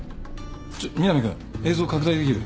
ちょっ南君映像拡大できる？